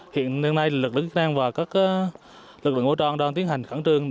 hiện nay lực lực đang vào các lực lượng ngôi tròn đang tiến hành